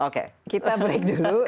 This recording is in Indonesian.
kita break dulu